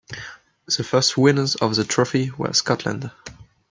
The first winners of the trophy were Scotland.